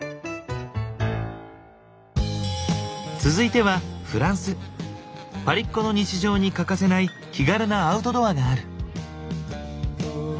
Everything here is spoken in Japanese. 続いてはパリっ子の日常に欠かせない気軽なアウトドアがある。